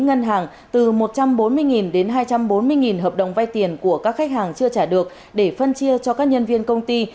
ngân hàng từ một trăm bốn mươi đến hai trăm bốn mươi hợp đồng vay tiền của các khách hàng chưa trả được để phân chia cho các nhân viên công ty